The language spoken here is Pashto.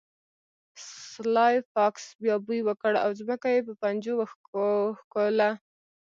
سلای فاکس بیا بوی وکړ او ځمکه یې په پنجو وښکوله